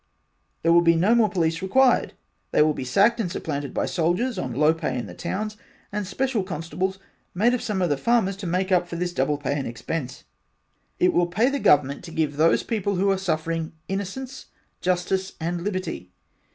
there will be no more police required they will be sacked and supplanted by soldiers on low pay in the towns and special constables made of some of the farmers to make up for this double pay and expence. It will pay Government to give those people who are suffering innocence, justice and liberty.